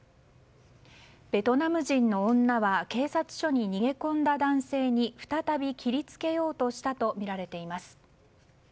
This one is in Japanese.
ベトナム人の女は警察署に逃げ込んだ男性に再び切りつけようとしたとみられています。